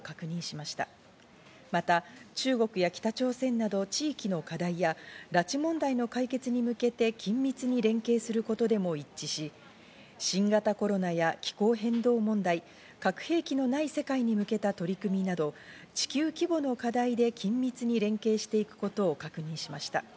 また中国や北朝鮮など地域の課題や拉致問題の解決に向けて緊密に連携することでも一致し、新型コロナや気候変動問題、核兵器のない世界に向けた取り組みなど、地球規模の課題で緊密に連携していくことを確認しました。